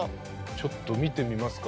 ちょっと見てみますか？